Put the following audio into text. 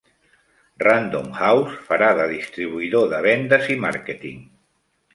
Random House farà de distribuïdor de vendes i màrqueting.